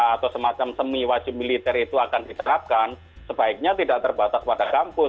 atau semacam semi wajib militer itu akan diterapkan sebaiknya tidak terbatas pada kampus